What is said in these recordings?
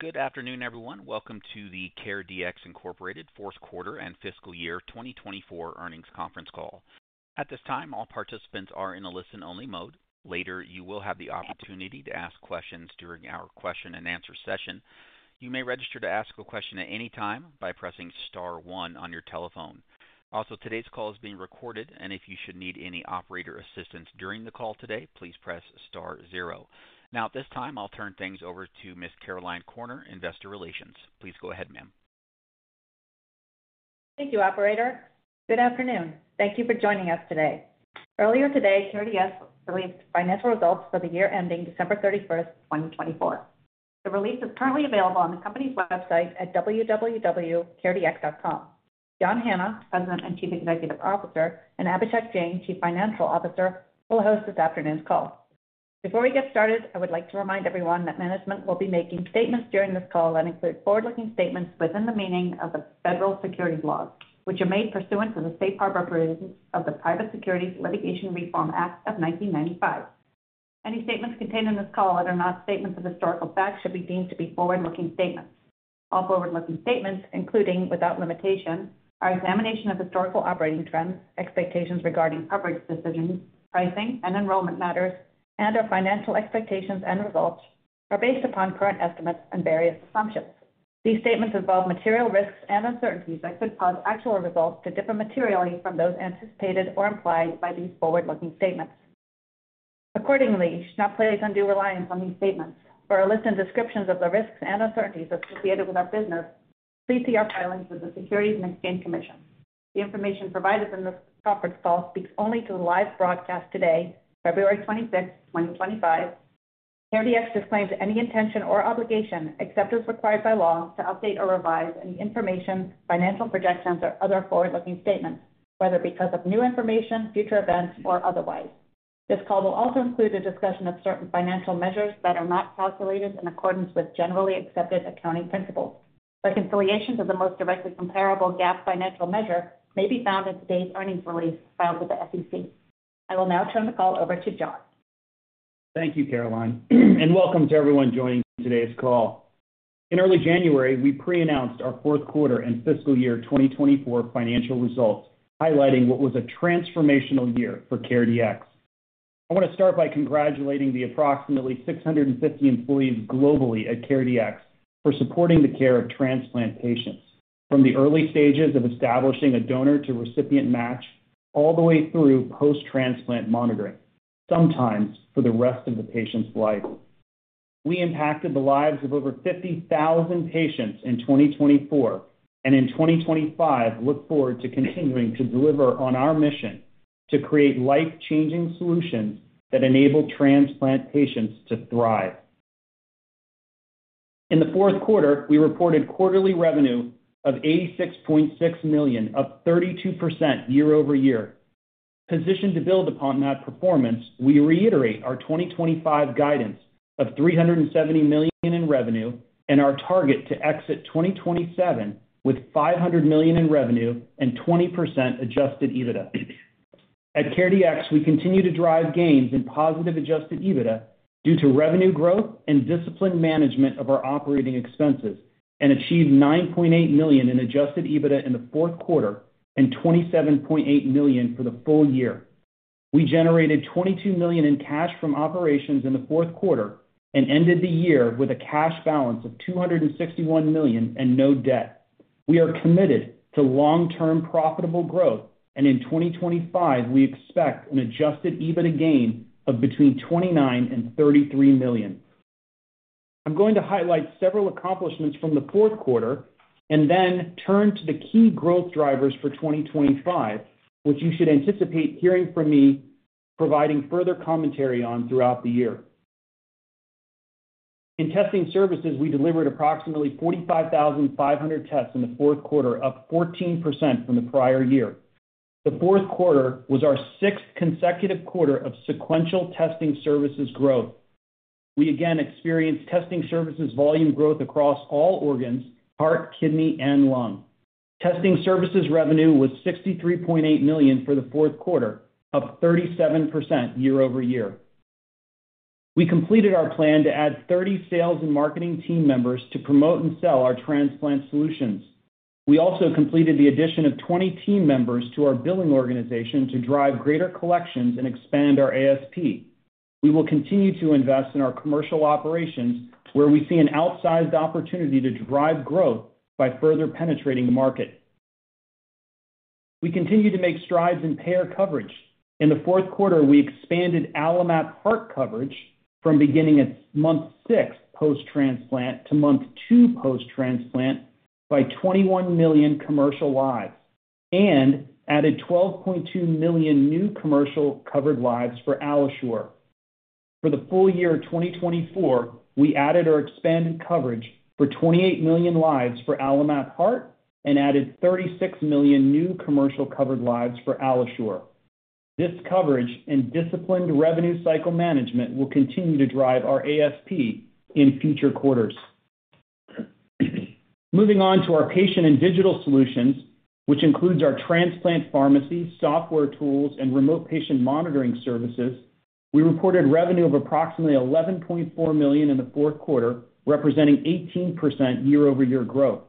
Good afternoon, everyone. Welcome to the CareDx Incorporated Fourth Quarter and Fiscal Year 2024 Earnings Conference Call. At this time, all participants are in a listen-only mode. Later, you will have the opportunity to ask questions during our question and answer session. You may register to ask a question at any time by pressing star one on your telephone. Also, today's call is being recorded, and if you should need any operator assistance during the call today, please press star zero. Now, at this time, I'll turn things over to Ms. Caroline Corner, Investor Relations. Please go ahead, ma'am. Thank you, Operator. Good afternoon. Thank you for joining us today. Earlier today, CareDx released financial results for the year ending December 31st, 2024. The release is currently available on the company's website at www.caredx.com. John Hanna, President and Chief Executive Officer, and Abhishek Jain, Chief Financial Officer, will host this afternoon's call. Before we get started, I would like to remind everyone that management will be making statements during this call that include forward-looking statements within the meaning of the federal securities laws, which are made pursuant to the safe harbor provisions of the Private Securities Litigation Reform Act of 1995. Any statements contained in this call that are not statements of historical fact should be deemed to be forward-looking statements. All forward-looking statements, including without limitation, our examination of historical operating trends, expectations regarding coverage decisions, pricing, and enrollment matters, and our financial expectations and results are based upon current estimates and various assumptions. These statements involve material risks and uncertainties that could cause actual results to differ materially from those anticipated or implied by these forward-looking statements. Accordingly, you should not place undue reliance on these statements. For a list and descriptions of the risks and uncertainties associated with our business, please see our filings with the Securities and Exchange Commission. The information provided in this conference call speaks only to a live broadcast today, February 26th, 2025. CareDx disclaims any intention or obligation, except as required by law, to update or revise any information, financial projections, or other forward-looking statements, whether because of new information, future events, or otherwise. This call will also include a discussion of certain financial measures that are not calculated in accordance with Generally Accepted Accounting Principles. Reconciliations of the most directly comparable GAAP financial measure may be found in today's earnings release filed with the SEC. I will now turn the call over to John. Thank you, Caroline, and welcome to everyone joining today's call. In early January, we pre-announced our fourth quarter and fiscal year 2024 financial results, highlighting what was a transformational year for CareDx. I want to start by congratulating the approximately 650 employees globally at CareDx for supporting the care of transplant patients from the early stages of establishing a donor to recipient match all the way through post-transplant monitoring, sometimes for the rest of the patient's life. We impacted the lives of over 50,000 patients in 2024, and in 2025, look forward to continuing to deliver on our mission to create life-changing solutions that enable transplant patients to thrive. In the fourth quarter, we reported quarterly revenue of $86.6 million, up 32% year-over-year. Positioned to build upon that performance, we reiterate our 2025 guidance of $370 million in revenue and our target to exit 2027 with $500 million in revenue and 20% Adjusted EBITDA. At CareDx, we continue to drive gains in positive Adjusted EBITDA due to revenue growth and disciplined management of our operating expenses, and achieved $9.8 million in Adjusted EBITDA in the fourth quarter and $27.8 million for the full year. We generated $22 million in cash from operations in the fourth quarter and ended the year with a cash balance of $261 million and no debt. We are committed to long-term profitable growth, and in 2025, we expect an Adjusted EBITDA gain of between $29 million and $33 million. I'm going to highlight several accomplishments from the fourth quarter and then turn to the key growth drivers for 2025, which you should anticipate hearing from me providing further commentary on throughout the year. In Testing Services, we delivered approximately 45,500 tests in the fourth quarter, up 14% from the prior year. The fourth quarter was our sixth consecutive quarter of sequential Testing Services growth. We again experienced Testing Services volume growth across all organs: heart, kidney, and lung. Testing Services revenue was $63.8 million for the fourth quarter, up 37% year-over-year. We completed our plan to add 30 sales and marketing team members to promote and sell our transplant solutions. We also completed the addition of 20 team members to our billing organization to drive greater collections and expand our ASP. We will continue to invest in our commercial operations, where we see an outsized opportunity to drive growth by further penetrating the market. We continue to make strides in payer coverage. In the fourth quarter, we expanded AlloMap Heart coverage from beginning at month six post-transplant to month two post-transplant by 21 million commercial lives and added 12.2 million new commercial covered lives for AlloSure. For the full year 2024, we added or expanded coverage for 28 million lives for AlloMap Heart and added 36 million new commercial covered lives for AlloSure. This coverage and disciplined revenue cycle management will continue to drive our ASP in future quarters. Moving on to our Patient and Digital Solutions, which includes our transplant pharmacy, software tools, and remote patient monitoring services, we reported revenue of approximately $11.4 million in the fourth quarter, representing 18% year-over-year growth.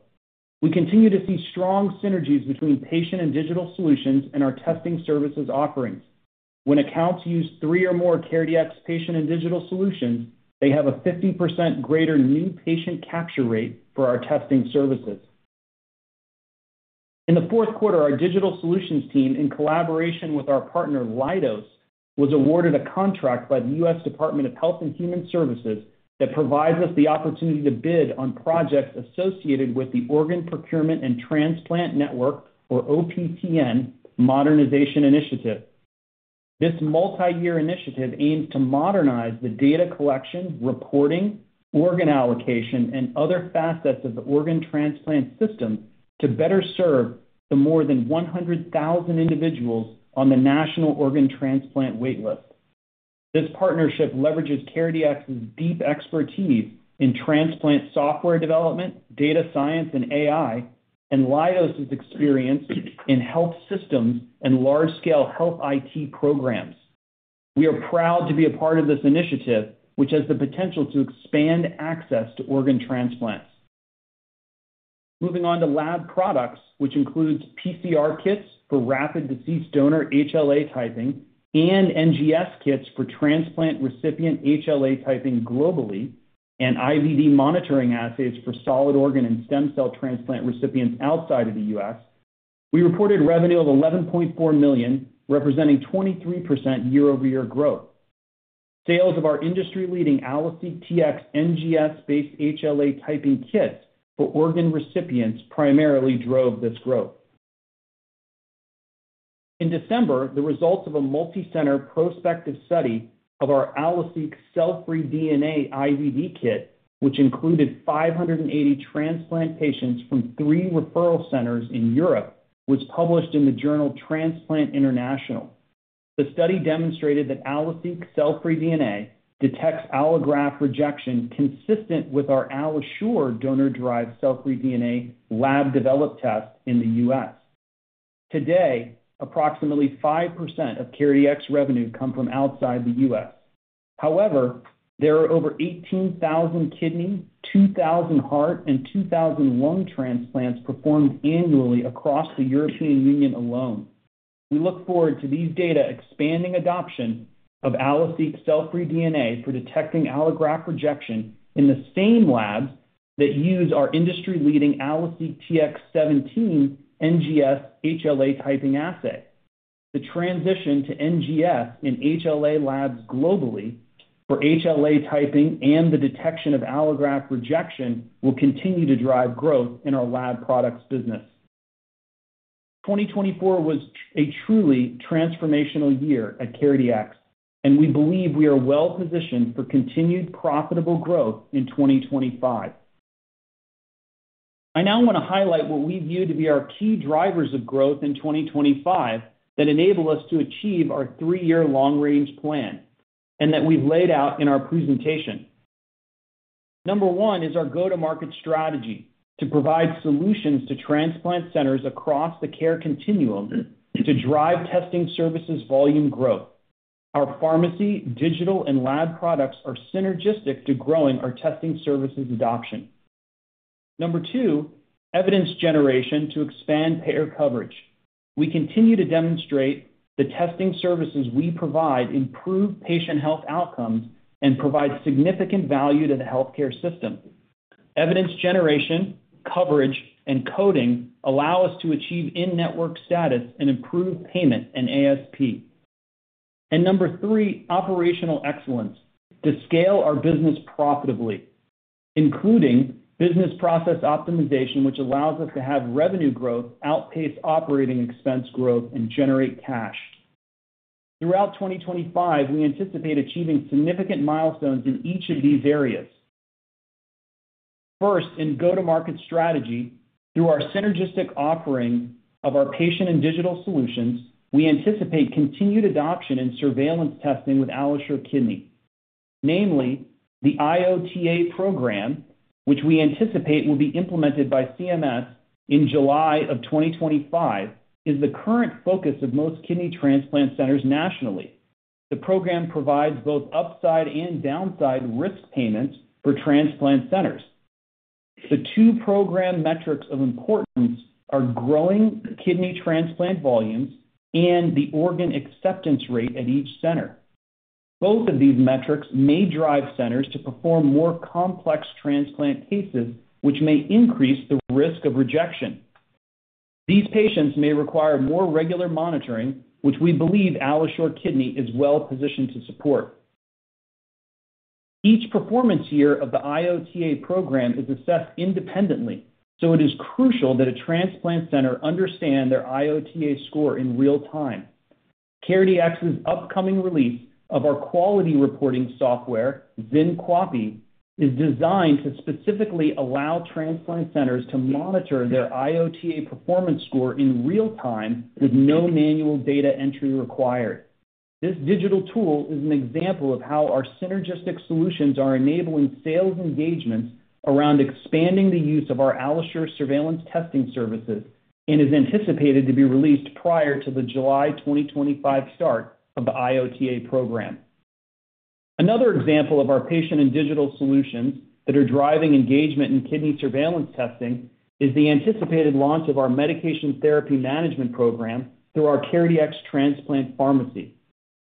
We continue to see strong synergies between Patient and Digital Solutions and our Testing Services offerings. When accounts use three or more CareDx Patient and Digital Solutions, they have a 50% greater new patient capture rate for our Testing Services. In the fourth quarter, our digital solutions team, in collaboration with our partner Leidos, was awarded a contract by the U.S. Department of Health and Human Services that provides us the opportunity to bid on projects associated with the Organ Procurement and Transplant Network, or OPTN, Modernization Initiative. This multi-year initiative aims to modernize the data collection, reporting, organ allocation, and other facets of the organ transplant system to better serve the more than 100,000 individuals on the National Organ Transplant Waitlist. This partnership leverages CareDx's deep expertise in transplant software development, data science, and AI, and Leidos' experience in health systems and large-scale health IT programs. We are proud to be a part of this initiative, which has the potential to expand access to organ transplants. Moving on Lab Products, which includes PCR kits for rapid deceased donor HLA typing and NGS kits for transplant recipient HLA typing globally and IVD monitoring assays for solid organ and stem cell transplant recipients outside of the U.S., we reported revenue of $11.4 million, representing 23% year-over-year growth. Sales of our industry-leading AlloSeq Tx NGS-based HLA typing kits for organ recipients primarily drove this growth. In December, the results of a multi-center prospective study of our AlloSeq cell-free DNA IVD kit, which included 580 transplant patients from three referral centers in Europe, was published in the journal Transplant International. The study demonstrated that AlloSeq cell-free DNA detects allograft rejection consistent with our AlloSure donor-derived cell-free DNA lab-developed test in the U.S. Today, approximately 5% of CareDx revenue comes from outside the U.S. However, there are over 18,000 kidney, 2,000 heart, and 2,000 lung transplants performed annually across the European Union alone. We look forward to these data expanding adoption of AlloSeq cell-free DNA for detecting allograft rejection in the same labs that use our industry-leading AlloSeq Tx 17 NGS HLA typing assay. The transition to NGS in HLA labs globally for HLA typing and the detection of allograft rejection will continue to drive growth in Lab Products business. 2024 was a truly transformational year at CareDx, and we believe we are well-positioned for continued profitable growth in 2025. I now want to highlight what we view to be our key drivers of growth in 2025 that enable us to achieve our three-year long-range plan and that we've laid out in our presentation. Number one is our go-to-market strategy to provide solutions to transplant centers across the care continuum to drive Testing Services volume growth. Our Pharmacy, Digital, Lab Products are synergistic to growing our Testing Services adoption. Number two, evidence generation to expand payer coverage. We continue to demonstrate the Testing Services we provide improve patient health outcomes and provide significant value to the healthcare system. Evidence generation, coverage, and coding allow us to achieve in-network status and improve payment and ASP. And number three, operational excellence to scale our business profitably, including business process optimization, which allows us to have revenue growth outpace operating expense growth and generate cash. Throughout 2025, we anticipate achieving significant milestones in each of these areas. First, in go-to-market strategy, through our synergistic offering of our Patient and Digital Solutions, we anticipate continued adoption and surveillance testing with AlloSure Kidney. Namely, the IOTA program, which we anticipate will be implemented by CMS in July of 2025, is the current focus of most kidney transplant centers nationally. The program provides both upside and downside risk payments for transplant centers. The two program metrics of importance are growing kidney transplant volumes and the organ acceptance rate at each center. Both of these metrics may drive centers to perform more complex transplant cases, which may increase the risk of rejection. These patients may require more regular monitoring, which we believe AlloSure Kidney is well-positioned to support. Each performance year of the IOTA program is assessed independently, so it is crucial that a transplant center understands their IOTA score in real time. CareDx's upcoming release of our quality reporting software, XynQAPI, is designed to specifically allow transplant centers to monitor their IOTA performance score in real time with no manual data entry required. This digital tool is an example of how our synergistic solutions are enabling sales engagements around expanding the use of our AlloSure surveillance testing services and is anticipated to be released prior to the July 2025 start of the IOTA program. Another example of our Patient and Digital Solutions that are driving engagement in kidney surveillance testing is the anticipated launch of our medication therapy management program through our CareDx transplant pharmacy.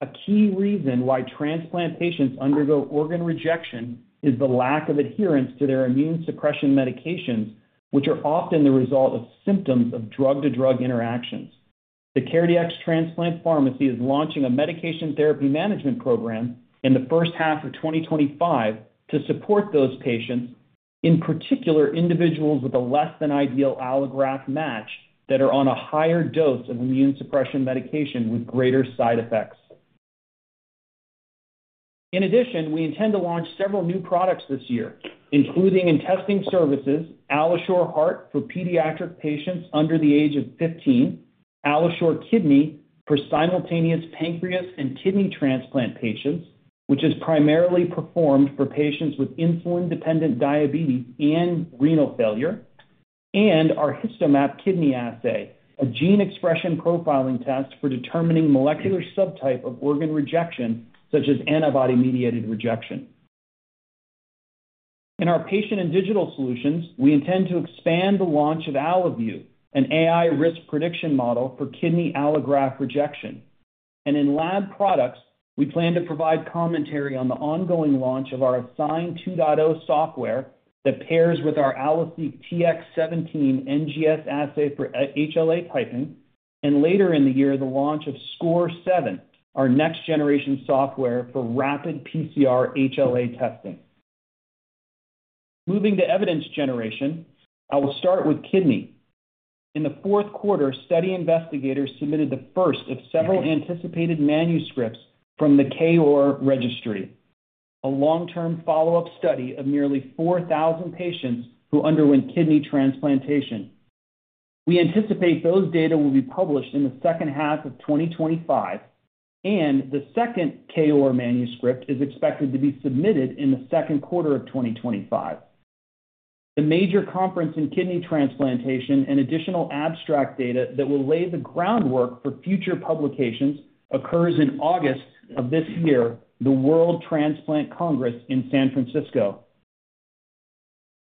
A key reason why transplant patients undergo organ rejection is the lack of adherence to their immune suppression medications, which are often the result of symptoms of drug-to-drug interactions. The CareDx transplant pharmacy is launching a medication therapy management program in the first half of 2025 to support those patients, in particular individuals with a less-than-ideal allograft match that are on a higher dose of immune suppression medication with greater side effects. In addition, we intend to launch several new products this year, including in Testing Services, AlloSure Heart for pediatric patients under the age of 15, AlloSure Kidney for simultaneous pancreas and kidney transplant patients, which is primarily performed for patients with insulin-dependent diabetes and renal failure, and our HistoMap Kidney assay, a gene expression profiling test for determining molecular subtype of organ rejection, such as antibody-mediated rejection. In our Patient and Digital Solutions, we intend to expand the launch of AlloView, an AI risk prediction model for kidney allograft rejection. And Lab Products, we plan to provide commentary on the ongoing launch of our Assign 2.0 software that pairs with our AlloSeq Tx 17 NGS assay for HLA typing and later in the year, the launch of SCORE 7, our next-generation software for rapid PCR HLA testing. Moving to evidence generation, I will start with kidney. In the fourth quarter, study investigators submitted the first of several anticipated manuscripts from the KOAR registry, a long-term follow-up study of nearly 4,000 patients who underwent kidney transplantation. We anticipate those data will be published in the second half of 2025, and the second KOAR manuscript is expected to be submitted in the second quarter of 2025. The major conference in kidney transplantation and additional abstract data that will lay the groundwork for future publications occurs in August of this year, the World Transplant Congress in San Francisco.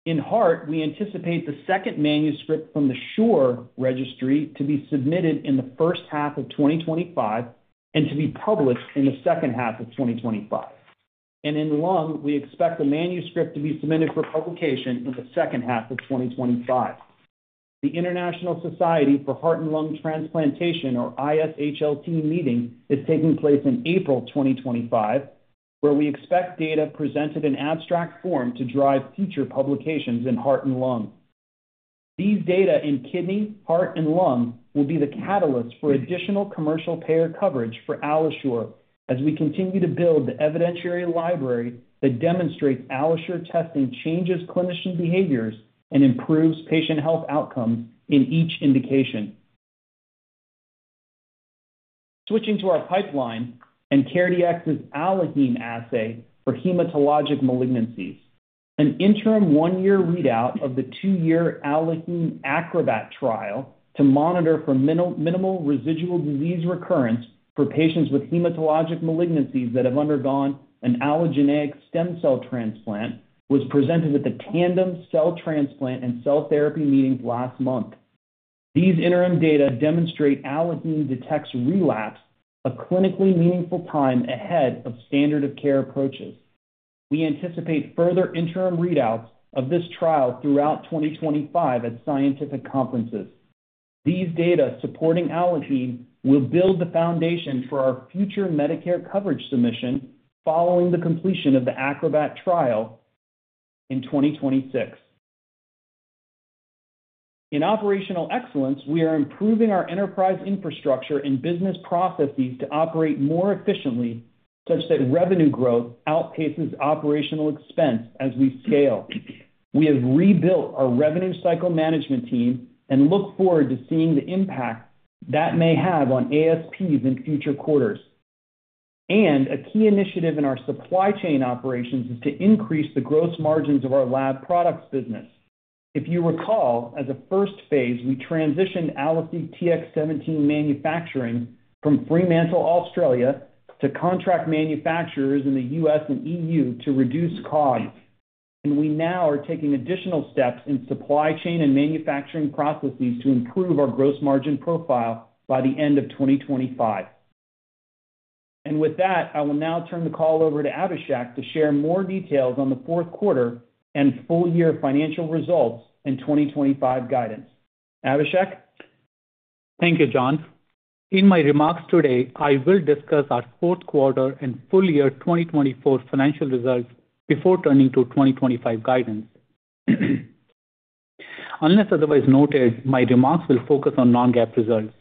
In heart, we anticipate the second manuscript from the SHORE registry to be submitted in the first half of 2025 and to be published in the second half of 2025, and in lung, we expect the manuscript to be submitted for publication in the second half of 2025. The International Society for Heart and Lung Transplantation, or ISHLT, meeting is taking place in April 2025, where we expect data presented in abstract form to drive future publications in heart and lung. These data in kidney, heart, and lung will be the catalyst for additional commercial payer coverage for AlloSure as we continue to build the evidentiary library that demonstrates AlloSure testing changes clinician behaviors and improves patient health outcomes in each indication. Switching to our pipeline and CareDx's AlloHeme assay for hematologic malignancies. An interim one-year readout of the two-year AlloHeme ACROBAT trial to monitor for minimal residual disease recurrence for patients with hematologic malignancies that have undergone an allogeneic stem cell transplant was presented at the Tandem Cell Transplant and Cell Therapy meetings last month. These interim data demonstrate AlloHeme detects relapse, a clinically meaningful time ahead of standard of care approaches. We anticipate further interim readouts of this trial throughout 2025 at scientific conferences. These data supporting AlloHeme will build the foundation for our future Medicare coverage submission following the completion of the ACROBAT trial in 2026. In operational excellence, we are improving our enterprise infrastructure and business processes to operate more efficiently such that revenue growth outpaces operational expense as we scale. We have rebuilt our revenue cycle management team and look forward to seeing the impact that may have on ASPs in future quarters. A key initiative in our supply chain operations is to increase the gross margins of Lab Products business. If you recall, as a first phase, we transitioned AlloSeq Tx 17 manufacturing from Fremantle, Australia, to contract manufacturers in the U.S. and E.U. to reduce costs. We now are taking additional steps in supply chain and manufacturing processes to improve our gross margin profile by the end of 2025. With that, I will now turn the call over to Abhishek to share more details on the fourth quarter and full-year financial results and 2025 guidance. Abhishek? Thank you, John. In my remarks today, I will discuss our fourth quarter and full-year 2024 financial results before turning to 2025 guidance. Unless otherwise noted, my remarks will focus on non-GAAP results.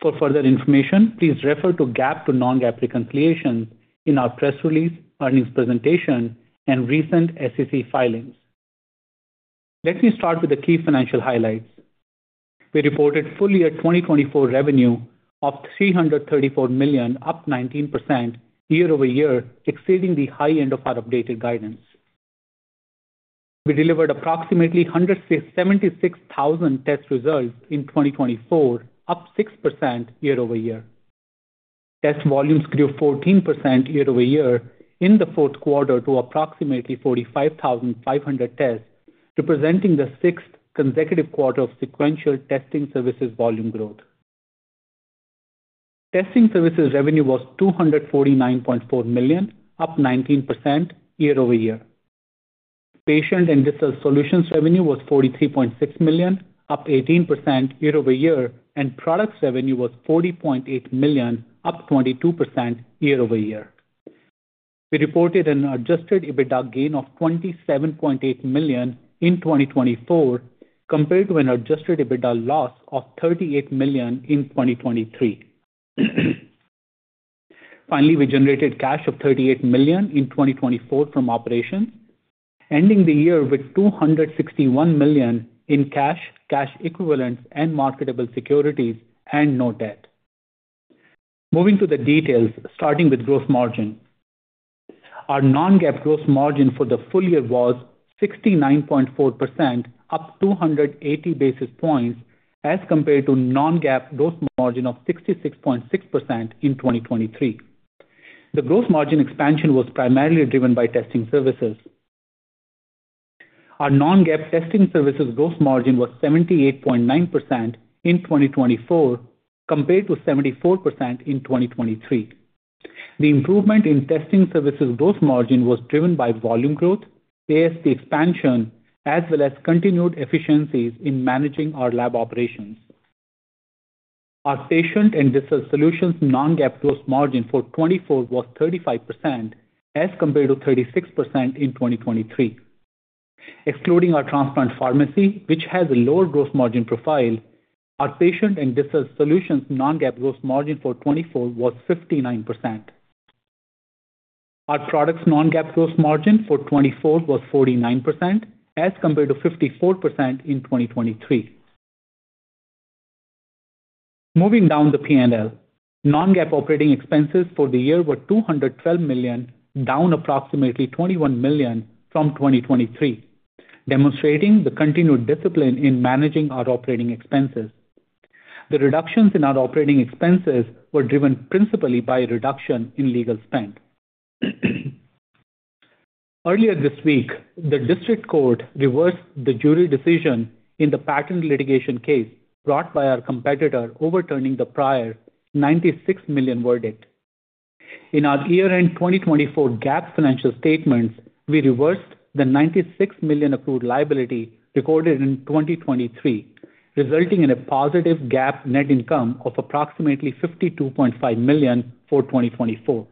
For further information, please refer to GAAP to non-GAAP reconciliations in our press release, earnings presentation, and recent SEC filings. Let me start with the key financial highlights. We reported full-year 2024 revenue of $334 million, up 19% year-over-year, exceeding the high end of our updated guidance. We delivered approximately 176,000 test results in 2024, up 6% year-over-year. Test volumes grew 14% year-over-year in the fourth quarter to approximately 45,500 tests, representing the sixth consecutive quarter of sequential Testing Services volume growth. Testing Services revenue was $249.4 million, up 19% year-over-year. Patient and Digital Solutions revenue was $43.6 million, up 18% year-over-year, and Products revenue was $40.8 million, up 22% year-over-year. We reported an Adjusted EBITDA gain of $27.8 million in 2024 compared to an Adjusted EBITDA loss of $38 million in 2023. Finally, we generated cash of $38 million in 2024 from operations, ending the year with $261 million in cash, cash equivalents, and marketable securities, and no debt. Moving to the details, starting with gross margin. Our non-GAAP gross margin for the full year was 69.4%, up 280 basis points as compared to non-GAAP gross margin of 66.6% in 2023. The gross margin expansion was primarily driven by Testing Services. Our non-GAAP Testing Services gross margin was 78.9% in 2024 compared to 74% in 2023. The improvement in Testing Services gross margin was driven by volume growth, ASP expansion, as well as continued efficiencies in managing our lab operations. Our Patient and Digital Solutions non-GAAP gross margin for 2024 was 35% as compared to 36% in 2023. Excluding our transplant pharmacy, which has a lower gross margin profile, our Patient and Digital Solutions non-GAAP gross margin for 2024 was 59%. Our Products non-GAAP gross margin for 2024 was 49% as compared to 54% in 2023. Moving down the P&L, non-GAAP operating expenses for the year were $212 million, down approximately $21 million from 2023, demonstrating the continued discipline in managing our operating expenses. The reductions in our operating expenses were driven principally by a reduction in legal spend. Earlier this week, the district court reversed the jury decision in the patent litigation case brought by our competitor, overturning the prior $96 million verdict. In our year-end 2024 GAAP financial statements, we reversed the $96 million accrued liability recorded in 2023, resulting in a positive GAAP net income of approximately $52.5 million for 2024.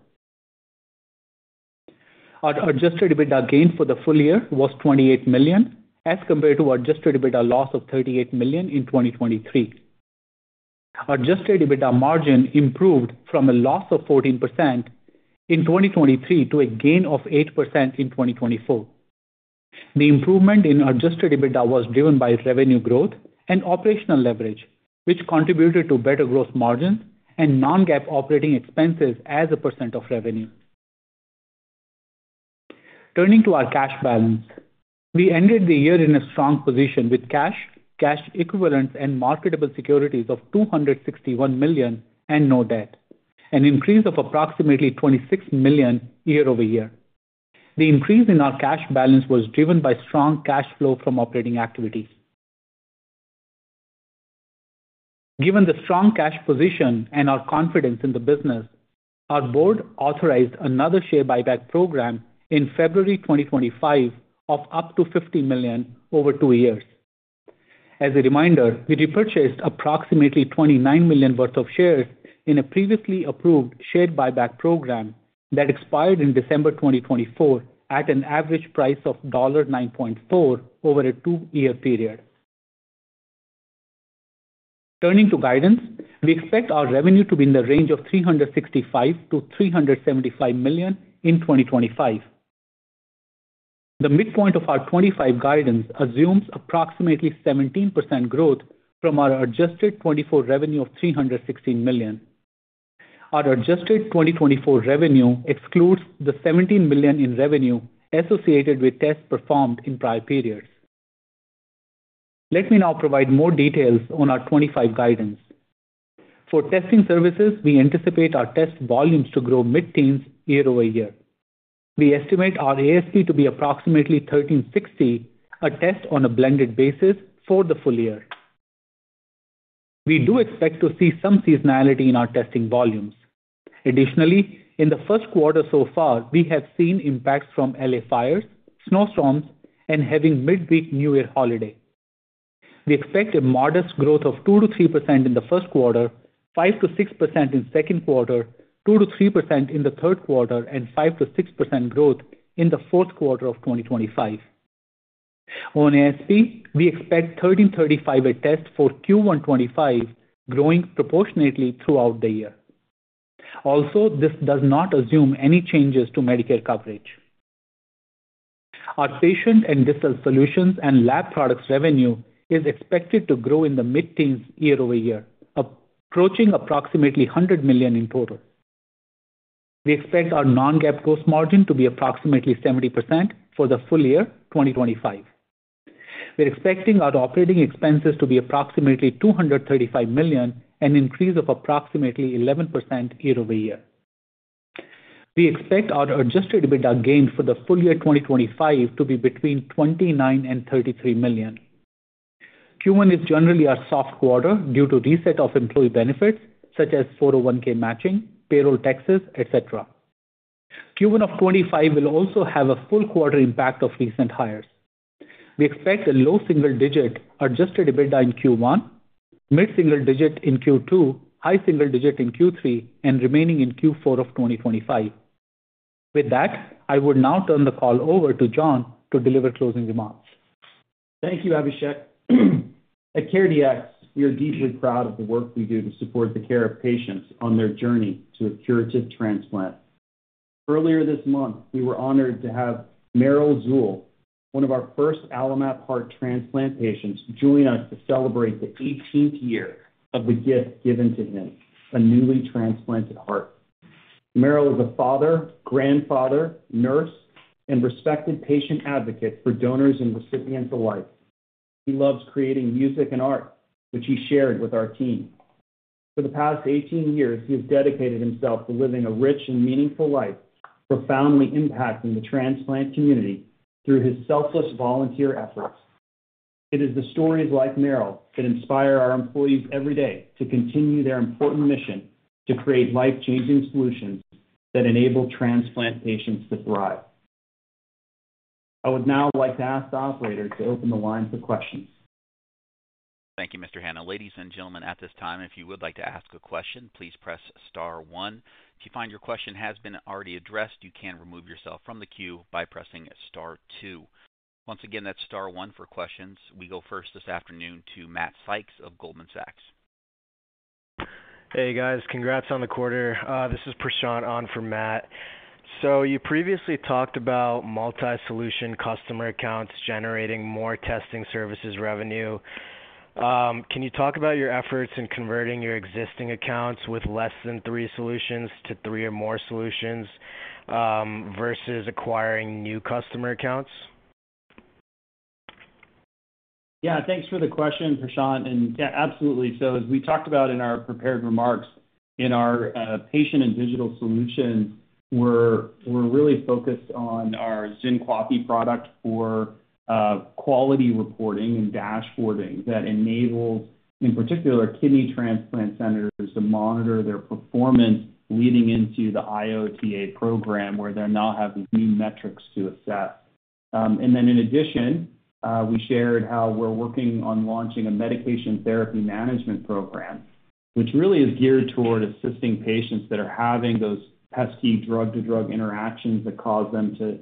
Our Adjusted EBITDA gain for the full year was $28 million as compared to our Adjusted EBITDA loss of $38 million in 2023. Our Adjusted EBITDA margin improved from a loss of 14% in 2023 to a gain of 8% in 2024. The improvement in Adjusted EBITDA was driven by revenue growth and operational leverage, which contributed to better gross margins and non-GAAP operating expenses as a percent of revenue. Turning to our cash balance, we ended the year in a strong position with cash, cash equivalents, and marketable securities of $261 million and no debt, an increase of approximately $26 million year-over-year. The increase in our cash balance was driven by strong cash flow from operating activities. Given the strong cash position and our confidence in the business, our board authorized another share buyback program in February 2025 of up to $50 million over two years. As a reminder, we repurchased approximately $29 million worth of shares in a previously approved share buyback program that expired in December 2024 at an average price of $9.4 over a two-year period. Turning to guidance, we expect our revenue to be in the range of $365-$375 million in 2025. The midpoint of our 2025 guidance assumes approximately 17% growth from our adjusted 2024 revenue of $316 million. Our adjusted 2024 revenue excludes the $17 million in revenue associated with tests performed in prior periods. Let me now provide more details on our 2025 guidance. For Testing Services, we anticipate our test volumes to grow mid-teens year-over-year. We estimate our ASP to be approximately $1,360, a test on a blended basis for the full year. We do expect to see some seasonality in our testing volumes. Additionally, in the first quarter so far, we have seen impacts from L.A. fires, snowstorms, and having mid-week New Year holiday. We expect a modest growth of 2%-3% in the first quarter, 5%-6% in the second quarter, 2%-3% in the third quarter, and 5%-6% growth in the fourth quarter of 2025. On ASP, we expect $1,335 a test for Q1 2025 growing proportionately throughout the year. Also, this does not assume any changes to Medicare coverage. Our Patient and Digital Solutions Lab Products revenue is expected to grow in the mid-teens year-over-year, approaching approximately $100 million in total. We expect our non-GAAP gross margin to be approximately 70% for the full year 2025. We're expecting our operating expenses to be approximately $235 million and an increase of approximately 11% year-over-year. We expect our Adjusted EBITDA gain for the full year 2025 to be between $29 and $33 million. Q1 is generally our soft quarter due to reset of employee benefits such as 401(k) matching, payroll taxes, etc. Q1 of 2025 will also have a full quarter impact of recent hires. We expect a low single-digit Adjusted EBITDA in Q1, mid-single digit in Q2, high single digit in Q3, and remaining in Q4 of 2025. With that, I would now turn the call over to John to deliver closing remarks. Thank you, Abhishek. At CareDx, we are deeply proud of the work we do to support the care of patients on their journey to a curative transplant. Earlier this month, we were honored to have Merrill Zuhl, one of our first AlloMap Heart transplant patients, join us to celebrate the 18th year of the gift given to him, a newly transplanted heart. Merrill is a father, grandfather, nurse, and respected patient advocate for donors and recipients alike. He loves creating music and art, which he shared with our team. For the past 18 years, he has dedicated himself to living a rich and meaningful life, profoundly impacting the transplant community through his selfless volunteer efforts. It is the stories like Merrill that inspire our employees every day to continue their important mission to create life-changing solutions that enable transplant patients to thrive. I would now like to ask the operator to open the line for questions. Thank you, Mr. Hanna. Ladies and gentlemen, at this time, if you would like to ask a question, please press star one. If you find your question has been already addressed, you can remove yourself from the queue by pressing star two. Once again, that's star one for questions. We go first this afternoon to Matt Sykes of Goldman Sachs. Hey, guys. Congrats on the quarter. This is Prashant on for Matt. So you previously talked about multi-solution customer accounts generating more Testing Services revenue. Can you talk about your efforts in converting your existing accounts with less than three solutions to three or more solutions versus acquiring new customer accounts? Yeah. Thanks for the question, Prashant. And yeah, absolutely. So as we talked about in our prepared remarks, in our Patient and Digital Solutions, we're really focused on our XynQAPI product for quality reporting and dashboarding that enables, in particular, kidney transplant centers to monitor their performance leading into the IOTA program where they're now having new metrics to assess. And then in addition, we shared how we're working on launching a medication therapy management program, which really is geared toward assisting patients that are having those pesky drug-to-drug interactions that cause them to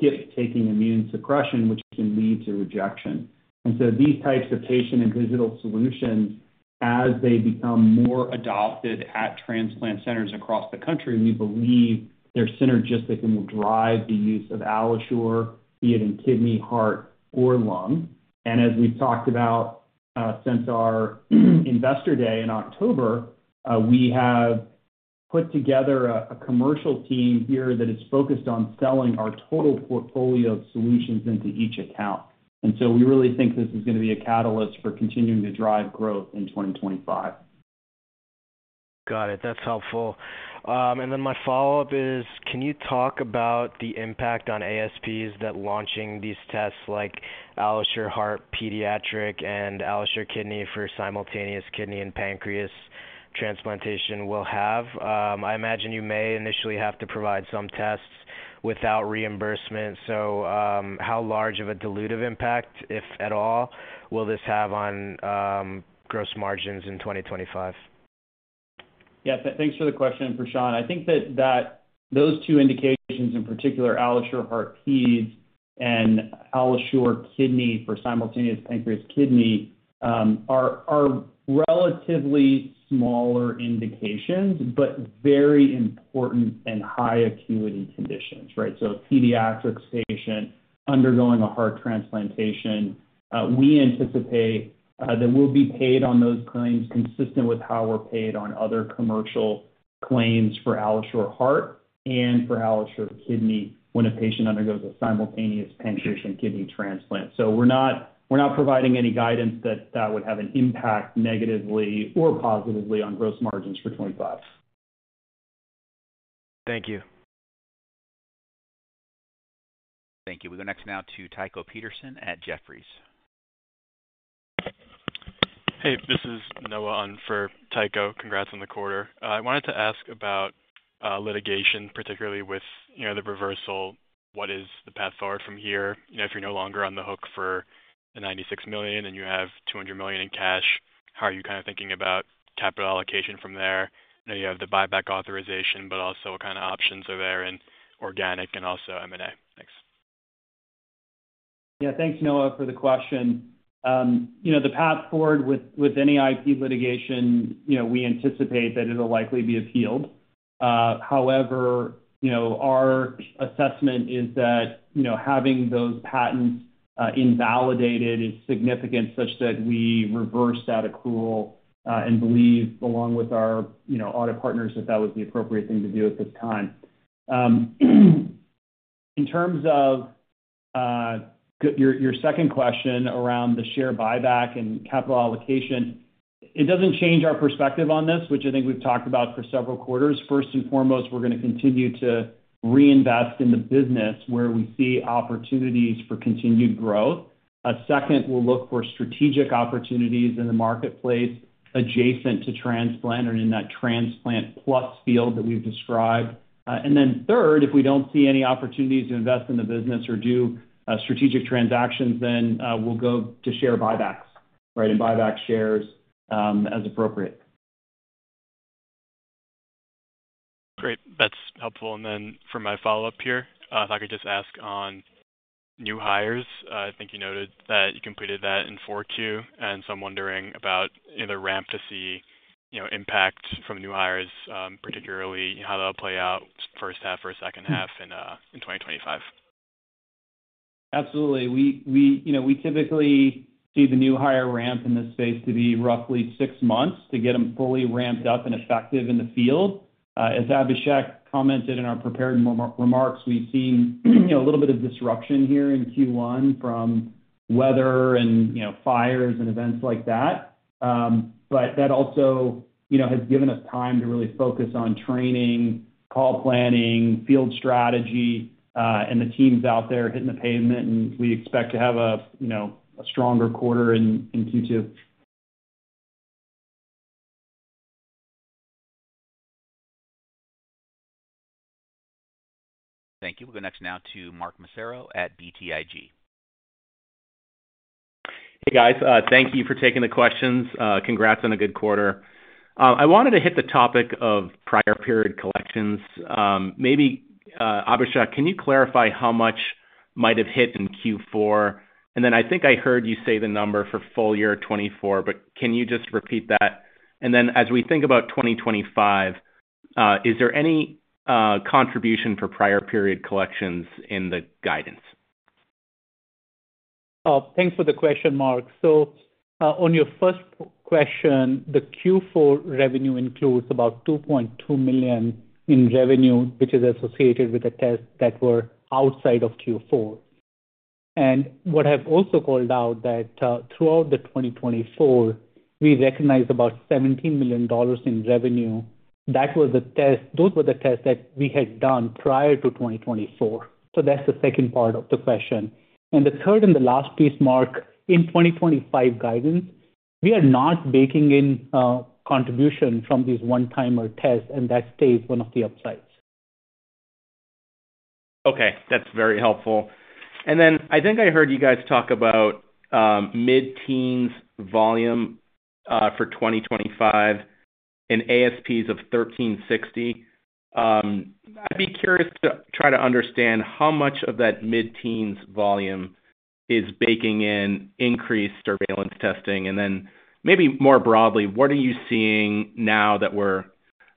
skip taking immune suppression, which can lead to rejection. And so these types of Patient and Digital Solutions, as they become more adopted at transplant centers across the country, we believe they're synergistic and will drive the use of AlloSure, be it in kidney, heart, or lung. And as we've talked about since our investor day in October, we have put together a commercial team here that is focused on selling our total portfolio of solutions into each account. And so we really think this is going to be a catalyst for continuing to drive growth in 2025. Got it. That's helpful. And then my follow-up is, can you talk about the impact on ASPs that launching these tests like AlloSure Heart Pediatric, and AlloSure Kidney for simultaneous kidney and pancreas transplantation will have? I imagine you may initially have to provide some tests without reimbursement. So how large of a dilutive impact, if at all, will this have on gross margins in 2025? Yeah. Thanks for the question, Prashant. I think that those two indications, in particular, AlloSure Heart Peds and AlloSure Kidney for simultaneous pancreas kidney, are relatively smaller indications but very important and high acuity conditions, right? So a pediatric patient undergoing a heart transplantation, we anticipate that we'll be paid on those claims consistent with how we're paid on other commercial claims for AlloSure Heart and for AlloSure Kidney when a patient undergoes a simultaneous pancreas and kidney transplant. So we're not providing any guidance that that would have an impact negatively or positively on gross margins for 2025. Thank you. Thank you. We go next now to Tycho Peterson at Jefferies. Hey, this is Noah on for Tycho. Congrats on the quarter. I wanted to ask about litigation, particularly with the reversal. What is the path forward from here? If you're no longer on the hook for the $96 million and you have $200 million in cash, how are you kind of thinking about capital allocation from there? I know you have the buyback authorization, but also what kind of options are there in organic and also M&A? Thanks. Yeah. Thanks, Noah, for the question. The path forward with any IP litigation, we anticipate that it'll likely be appealed. However, our assessment is that having those patents invalidated is significant such that we reverse that accrual and believe, along with our audit partners, that that was the appropriate thing to do at this time. In terms of your second question around the share buyback and capital allocation, it doesn't change our perspective on this, which I think we've talked about for several quarters. First and foremost, we're going to continue to reinvest in the business where we see opportunities for continued growth. Second, we'll look for strategic opportunities in the marketplace adjacent to transplant and in that transplant plus field that we've described. And then third, if we don't see any opportunities to invest in the business or do strategic transactions, then we'll go to share buybacks, right, and buyback shares as appropriate. Great. That's helpful. And then for my follow-up here, if I could just ask on new hires? I think you noted that you completed that in 2024, and so I'm wondering about the ramp to see impact from new hires, particularly how that'll play out first half or second half in 2025? Absolutely. We typically see the new hire ramp in this space to be roughly six months to get them fully ramped up and effective in the field. As Abhishek commented in our prepared remarks, we've seen a little bit of disruption here in Q1 from weather and fires and events like that, but that also has given us time to really focus on training, call planning, field strategy, and the teams out there hitting the pavement, and we expect to have a stronger quarter in Q2. Thank you. We go next now to Mark Massaro at BTIG. Hey, guys. Thank you for taking the questions. Congrats on a good quarter. I wanted to hit the topic of prior period collections. Maybe Abhishek, can you clarify how much might have hit in Q4? And then I think I heard you say the number for full year 2024, but can you just repeat that? And then as we think about 2025, is there any contribution for prior period collections in the guidance? Thanks for the question, Mark. So on your first question, the Q4 revenue includes about $2.2 million in revenue, which is associated with tests that were outside of Q4. And what I've also called out that throughout 2024, we recognized about $17 million in revenue. That was the test. Those were the tests that we had done prior to 2024. So that's the second part of the question. And the third and the last piece, Mark, in 2025 guidance, we are not baking in contribution from these one-timer tests, and that stays one of the upsides. Okay. That's very helpful. And then I think I heard you guys talk about mid-teens volume for 2025 and ASPs of $1,360. I'd be curious to try to understand how much of that mid-teens volume is baking in increased surveillance testing. And then maybe more broadly, what are you seeing now that we're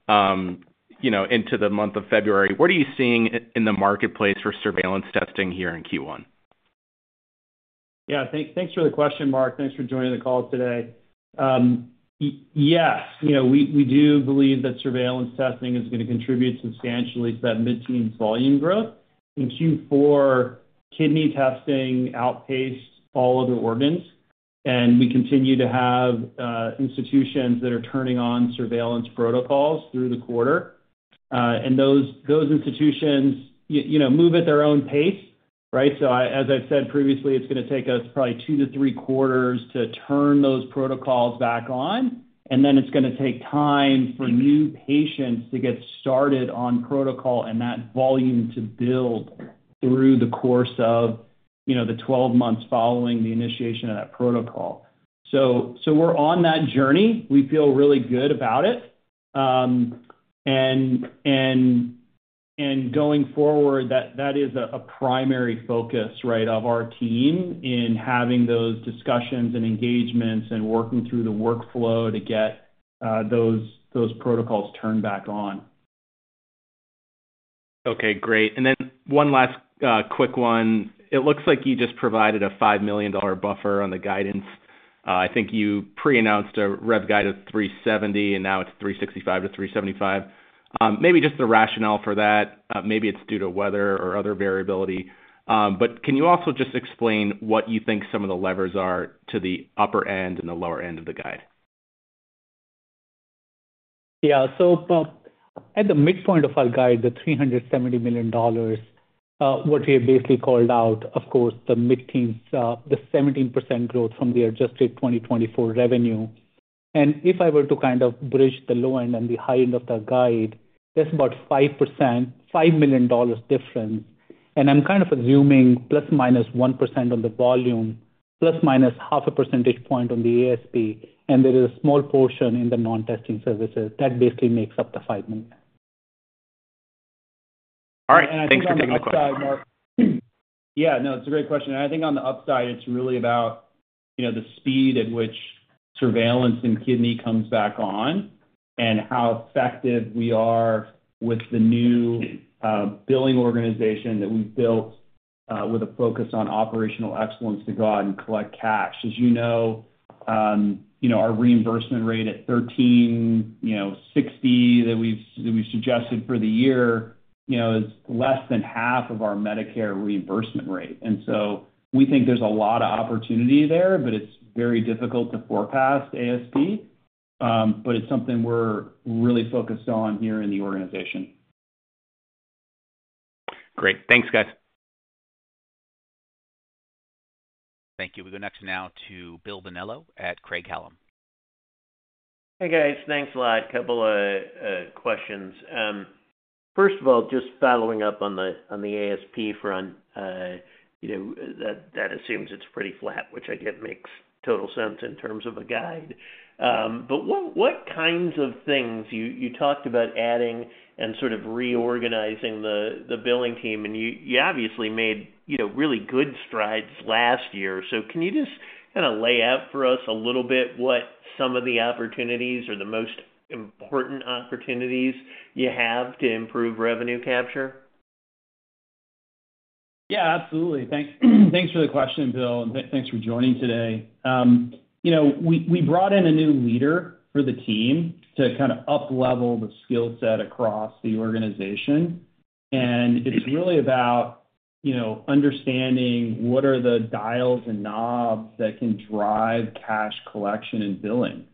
into the month of February? What are you seeing in the marketplace for surveillance testing here in Q1? Yeah. Thanks for the question, Mark. Thanks for joining the call today. Yes. We do believe that surveillance testing is going to contribute substantially to that mid-teens volume growth. In Q4, kidney testing outpaced all other organs. And we continue to have institutions that are turning on surveillance protocols through the quarter. And those institutions move at their own pace, right? So as I've said previously, it's going to take us probably two to three quarters to turn those protocols back on. And then it's going to take time for new patients to get started on protocol and that volume to build through the course of the 12 months following the initiation of that protocol. So we're on that journey. We feel really good about it. And going forward, that is a primary focus, right, of our team in having those discussions and engagements and working through the workflow to get those protocols turned back on. Okay. Great. And then one last quick one. It looks like you just provided a $5 million buffer on the guidance. I think you pre-announced a rev guide of $370, and now it's $365-$375. Maybe just the rationale for that. Maybe it's due to weather or other variability. But can you also just explain what you think some of the levers are to the upper end and the lower end of the guide? Yeah. So at the midpoint of our guide, the $370 million, what we have basically called out, of course, the mid-teens, the 17% growth from the adjusted 2024 revenue. And if I were to kind of bridge the low end and the high end of the guide, that's about 5%, $5 million difference. And I'm kind of assuming plus minus 1% on the volume, plus minus half a percentage point on the ASP. And there is a small portion in the non-Testing Services that basically makes up the $5 million. All right. Thanks for taking the question. Yeah. No, it's a great question. And I think on the upside, it's really about the speed at which surveillance in kidney comes back on and how effective we are with the new billing organization that we've built with a focus on operational excellence to go out and collect cash. As you know, our reimbursement rate at $1,360 that we've suggested for the year is less than half of our Medicare reimbursement rate. And so we think there's a lot of opportunity there, but it's very difficult to forecast ASP. But it's something we're really focused on here in the organization. Great. Thanks, guys. Thank you. We go next now to Bill Bonello at Craig-Hallum. Hey, guys. Thanks, a lot. A couple of questions. First of all, just following up on the ASP front, that assumes it's pretty flat, which I guess makes total sense in terms of a guide, but what kinds of things you talked about adding and sort of reorganizing the billing team, and you obviously made really good strides last year, so can you just kind of lay out for us a little bit what some of the opportunities or the most important opportunities you have to improve revenue capture? Yeah. Absolutely. Thanks for the question, Bill. And thanks for joining today. We brought in a new leader for the team to kind of uplevel the skill set across the organization, and it's really about understanding what are the dials and knobs that can drive cash collection and billing.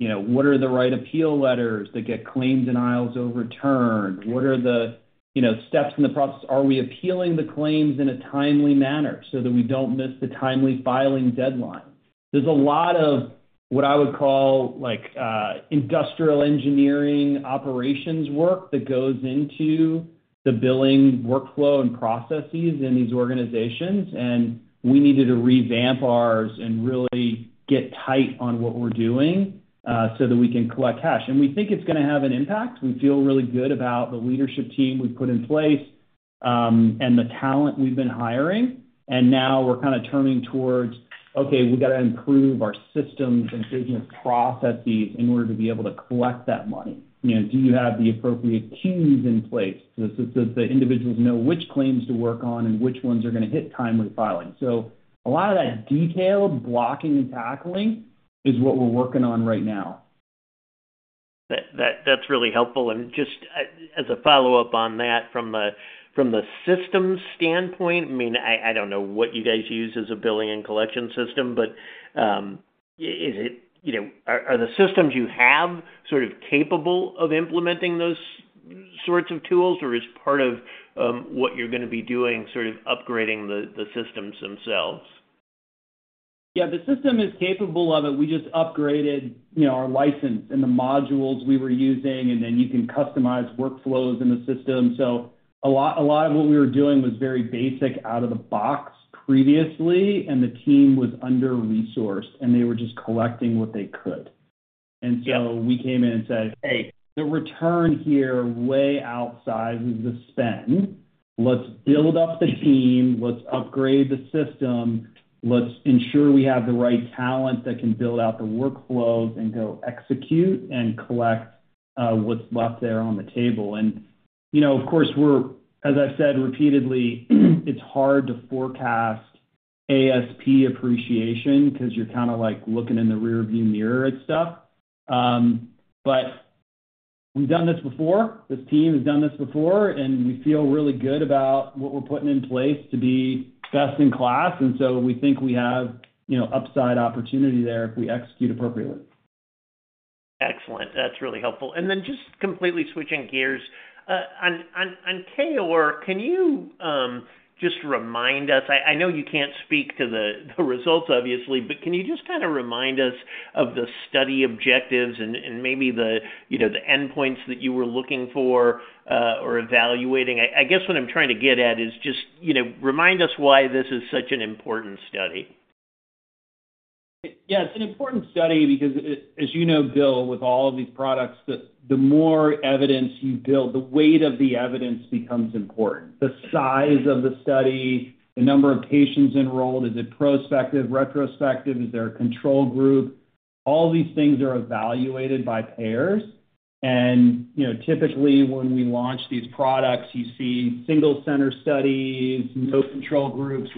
What are the right appeal letters that get claim denials overturned? What are the steps in the process? Are we appealing the claims in a timely manner so that we don't miss the timely filing deadline? There's a lot of what I would call industrial engineering operations work that goes into the billing workflow and processes in these organizations. And we needed to revamp ours and really get tight on what we're doing so that we can collect cash. And we think it's going to have an impact. We feel really good about the leadership team we've put in place and the talent we've been hiring. And now we're kind of turning towards, okay, we got to improve our systems and business processes in order to be able to collect that money. Do you have the appropriate queues in place so that the individuals know which claims to work on and which ones are going to hit timely filing? A lot of that detailed blocking and tackling is what we're working on right now. That's really helpful. And just as a follow-up on that, from the systems standpoint, I mean, I don't know what you guys use as a billing and collection system, but are the systems you have sort of capable of implementing those sorts of tools, or is part of what you're going to be doing sort of upgrading the systems themselves? Yeah. The system is capable of it. We just upgraded our license and the modules we were using, and then you can customize workflows in the system. So a lot of what we were doing was very basic out of the box previously, and the team was under-resourced, and they were just collecting what they could. And so we came in and said, "Hey, the return here way outside is the spend. Let's build up the team. Let's upgrade the system. Let's ensure we have the right talent that can build out the workflows and go execute and collect what's left there on the table." And of course, as I've said repeatedly, it's hard to forecast ASP appreciation because you're kind of looking in the rearview mirror at stuff. But we've done this before. This team has done this before, and we feel really good about what we're putting in place to be best in class. And so we think we have upside opportunity there if we execute appropriately. Excellent. That's really helpful. And then just completely switching gears, on KOAR, can you just remind us? I know you can't speak to the results, obviously, but can you just kind of remind us of the study objectives and maybe the endpoints that you were looking for or evaluating? I guess what I'm trying to get at is just remind us why this is such an important study. Yeah. It's an important study because, as you know, Bill, with all of these products, the more evidence you build, the weight of the evidence becomes important. The size of the study, the number of patients enrolled, is it prospective, retrospective, is there a control group? All these things are evaluated by payers, and typically, when we launch these products, you see single-center studies, no control groups,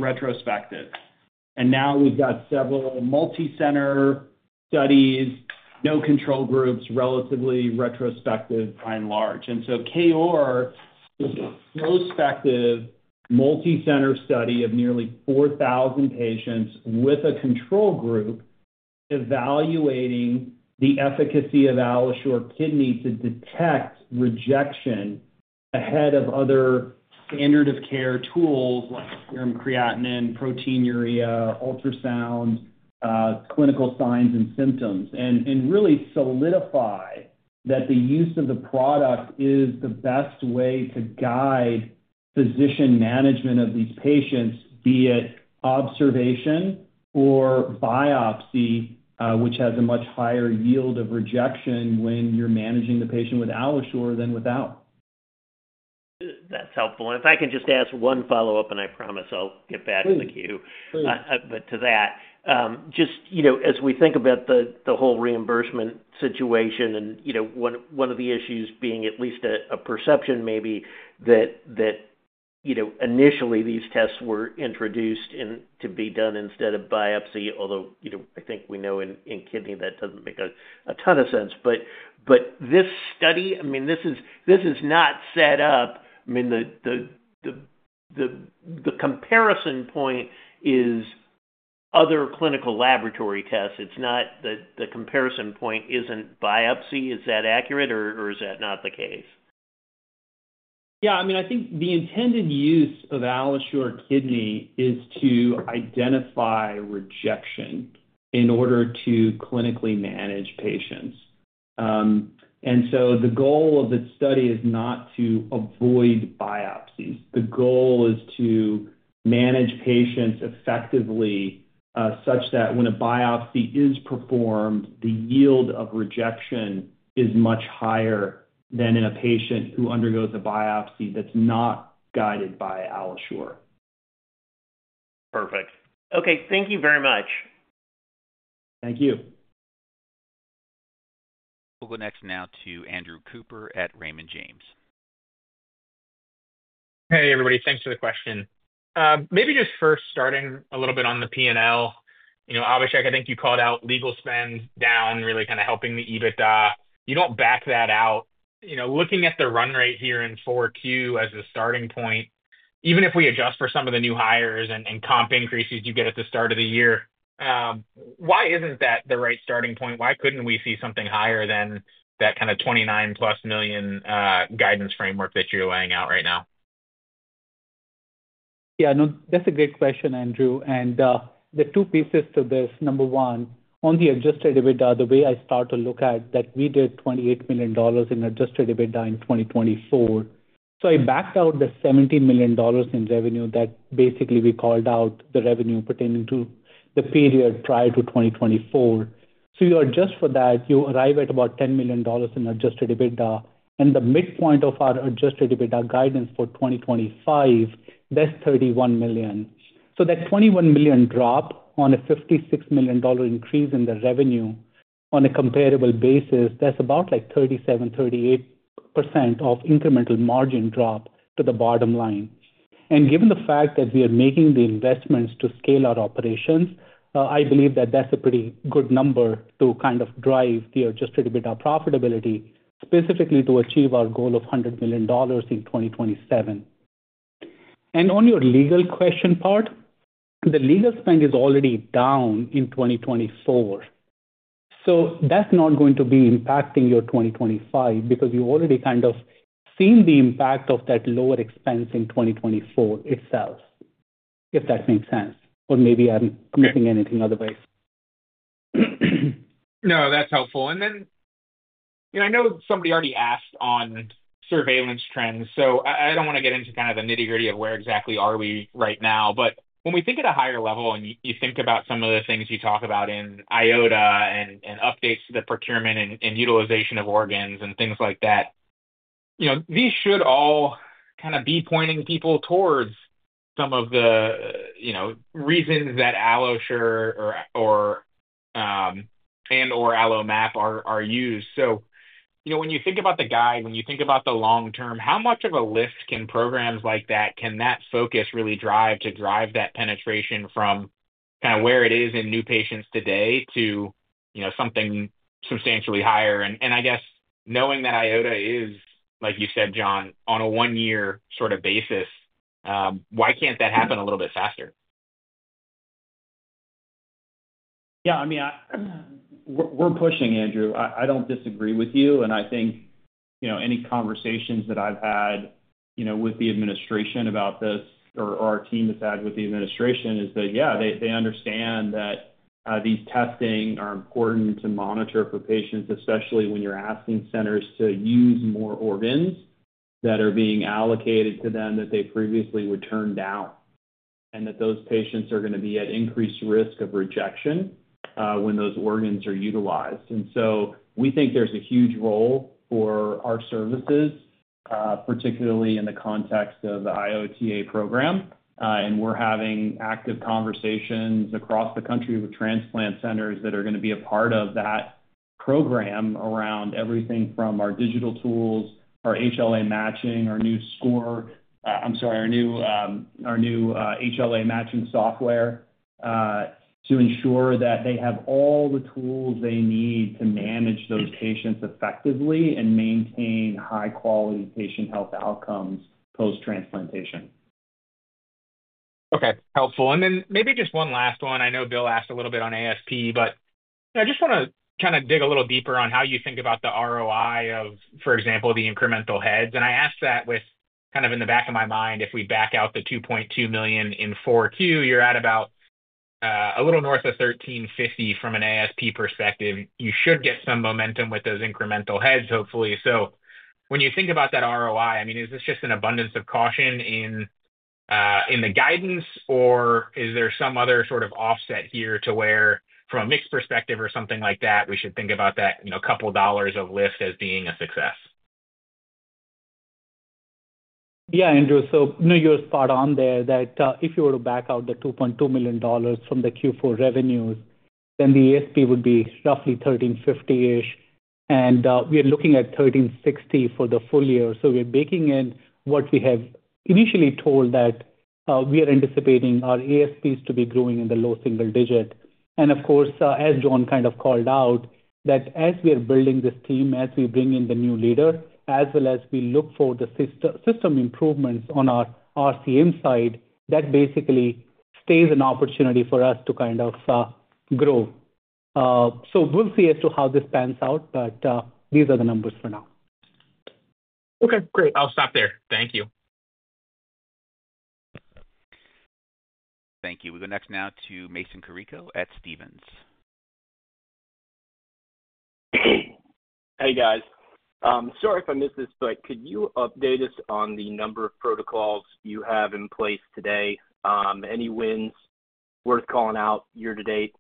retrospective. Now we've got several multi-center studies, no control groups, relatively retrospective by and large. KOAR is a prospective multi-center study of nearly 4,000 patients with a control group evaluating the efficacy of AlloSure Kidney to detect rejection ahead of other standard of care tools like serum creatinine, proteinuria, ultrasound, clinical signs and symptoms, and really solidify that the use of the product is the best way to guide physician management of these patients, be it observation or biopsy, which has a much higher yield of rejection when you're managing the patient with AlloSure than without. That's helpful. If I can just ask one follow-up, and I promise I'll get back to you. To that, just as we think about the whole reimbursement situation and one of the issues being at least a perception maybe that initially these tests were introduced to be done instead of biopsy, although I think we know in kidney that doesn't make a ton of sense. But this study, I mean, this is not set up. I mean, the comparison point is other clinical laboratory tests. The comparison point isn't biopsy. Is that accurate, or is that not the case? Yeah. I mean, I think the intended use of AlloSure Kidney is to identify rejection in order to clinically manage patients. And so the goal of the study is not to avoid biopsies. The goal is to manage patients effectively such that when a biopsy is performed, the yield of rejection is much higher than in a patient who undergoes a biopsy that's not guided by AlloSure. Perfect. Okay. Thank you very much. Thank you. We'll go next now to Andrew Cooper at Raymond James. Hey, everybody. Thanks for the question. Maybe just first starting a little bit on the P&L. Obviously, I think you called out legal spend down, really kind of helping the EBITDA. You don't back that out. Looking at the run rate here in 4Q as a starting point, even if we adjust for some of the new hires and comp increases you get at the start of the year, why isn't that the right starting point? Why couldn't we see something higher than that kind of $29-plus million guidance framework that you're laying out right now? Yeah. No, that's a great question, Andrew. And the two pieces to this. Number one, on the Adjusted EBITDA, the way I start to look at that we did $28 million in Adjusted EBITDA in 2024. So I backed out the $17 million in revenue that basically we called out the revenue pertaining to the period prior to 2024. So you adjust for that, you arrive at about $10 million in Adjusted EBITDA. The midpoint of our Adjusted EBITDA guidance for 2025, that's $31 million. So that $21 million drop on a $56 million increase in the revenue on a comparable basis, that's about like 37%-38% of incremental margin drop to the bottom line. And given the fact that we are making the investments to scale our operations, I believe that that's a pretty good number to kind of drive the Adjusted EBITDA profitability, specifically to achieve our goal of $100 million in 2027. And on your legal question part, the legal spend is already down in 2024. So that's not going to be impacting your 2025 because you already kind of seen the impact of that lower expense in 2024 itself, if that makes sense, or maybe I'm missing anything otherwise. No, that's helpful. And then I know somebody already asked on surveillance trends. So I don't want to get into kind of the nitty-gritty of where exactly are we right now. But when we think at a higher level and you think about some of the things you talk about in IOTA and updates to the procurement and utilization of organs and things like that, these should all kind of be pointing people towards some of the reasons that AlloSure and/or AlloMap are used. So when you think about the guide, when you think about the long term, how much of a lift can programs like that, can that focus really drive to drive that penetration from kind of where it is in new patients today to something substantially higher? And I guess knowing that IOTA is, like you said, John, on a one-year sort of basis, why can't that happen a little bit faster? Yeah. I mean, we're pushing, Andrew. I don't disagree with you, and I think any conversations that I've had with the administration about this or our team has had with the administration is that, yeah, they understand that these testing are important to monitor for patients, especially when you're asking centers to use more organs that are being allocated to them that they previously would turn down and that those patients are going to be at increased risk of rejection when those organs are utilized, and so we think there's a huge role for our services, particularly in the context of the IOTA program. We're having active conversations across the country with transplant centers that are going to be a part of that program around everything from our digital tools, our HLA matching, our new score, I'm sorry, our new HLA matching software, to ensure that they have all the tools they need to manage those patients effectively and maintain high-quality patient health outcomes post-transplantation. Okay. Helpful. And then maybe just one last one. I know Bill asked a little bit on ASP, but I just want to kind of dig a little deeper on how you think about the ROI of, for example, the incremental heads. And I asked that with kind of in the back of my mind, if we back out the $2.2 million in 4Q, you're at about a little north of $1,350 from an ASP perspective. You should get some momentum with those incremental heads, hopefully. So when you think about that ROI, I mean, is this just an abundance of caution in the guidance, or is there some other sort of offset here to where, from a mixed perspective or something like that, we should think about that couple dollars of lift as being a success? Yeah, Andrew. So you're spot on there that if you were to back out the $2.2 million from the Q4 revenues, then the ASP would be roughly $1,350-ish. And we are looking at $1,360 for the full year. So we're baking in what we have initially told that we are anticipating our ASPs to be growing in the low single digit. Of course, as John kind of called out, that as we are building this team, as we bring in the new leader, as well as we look for the system improvements on our RCM side, that basically stays an opportunity for us to kind of grow. So we'll see as to how this pans out, but these are the numbers for now. Okay. Great. I'll stop there. Thank you. Thank you. We go next now to Mason Carrico at Stephens. Hey, guys. Sorry if I missed this, but could you update us on the number of protocols you have in place today? Any wins worth calling out year to date?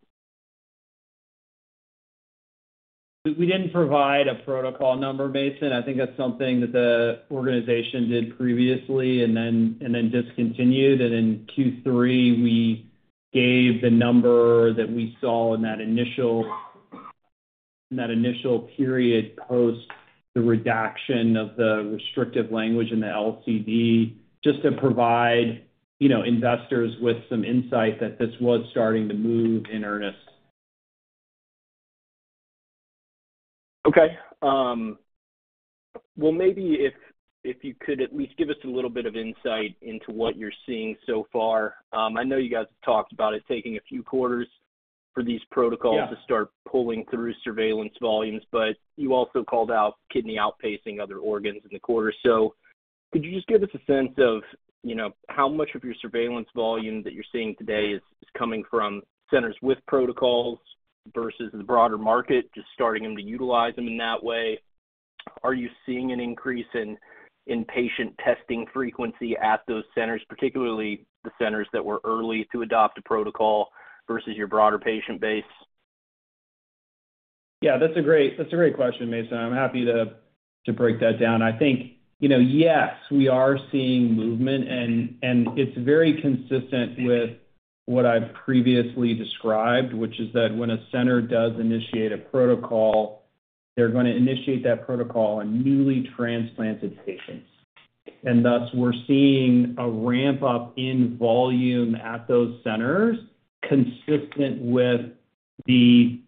We didn't provide a protocol number, Mason. I think that's something that the organization did previously and then discontinued. In Q3, we gave the number that we saw in that initial period post the redaction of the restrictive language in the LCD just to provide investors with some insight that this was starting to move in earnest. Okay. Maybe if you could at least give us a little bit of insight into what you're seeing so far. I know you guys have talked about it taking a few quarters for these protocols to start pulling through surveillance volumes, but you also called out kidney outpacing other organs in the quarter. Could you just give us a sense of how much of your surveillance volume that you're seeing today is coming from centers with protocols versus the broader market, just starting them to utilize them in that way? Are you seeing an increase in patient testing frequency at those centers, particularly the centers that were early to adopt a protocol versus your broader patient base? Yeah. That's a great question, Mason. I'm happy to break that down. I think, yes, we are seeing movement, and it's very consistent with what I've previously described, which is that when a center does initiate a protocol, they're going to initiate that protocol on newly transplanted patients. And thus, we're seeing a ramp-up in volume at those centers consistent with the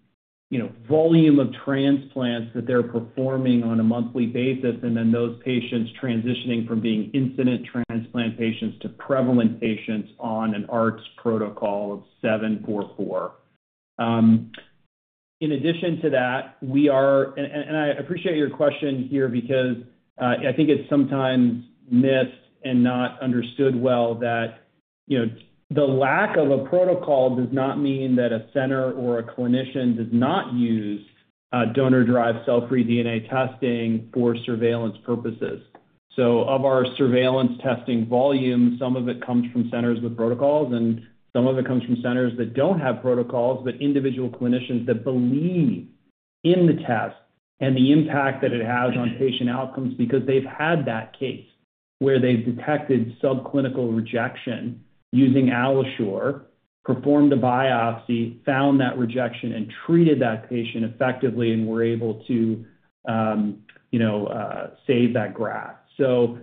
volume of transplants that they're performing on a monthly basis, and then those patients transitioning from being incident transplant patients to prevalent patients on an ARTS protocol of 7, 4, 4. In addition to that, we are, and I appreciate your question here because I think it's sometimes missed and not understood well, that the lack of a protocol does not mean that a center or a clinician does not use donor-derived cell-free DNA testing for surveillance purposes. So of our surveillance testing volume, some of it comes from centers with protocols, and some of it comes from centers that don't have protocols, but individual clinicians that believe in the test and the impact that it has on patient outcomes because they've had that case where they've detected subclinical rejection using AlloSure, performed a biopsy, found that rejection, and treated that patient effectively and were able to save that graft. So